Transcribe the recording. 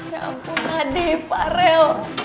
ya ampun ade pak rel